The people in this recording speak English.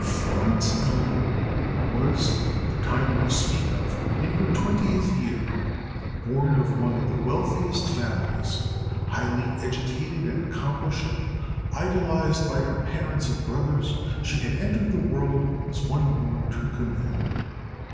Florence Elmore was, at the time we speak of, in her twentieth year. Born of one of the wealthiest families in , highly educated and accomplished, idolized by her parents and brothers, she had entered the world as one born to command.